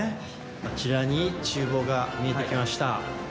あちらにちゅう房が見えてきました。